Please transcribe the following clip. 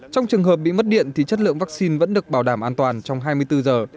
trong trường hợp bị mất điện thì chất lượng vaccine vẫn được bảo đảm an toàn trong hai mươi bốn giờ